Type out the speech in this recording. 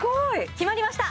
決まりました！